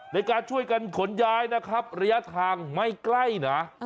ในการช่วยกันขนย้ายนะครับระยะทางไม่ใกล้นะ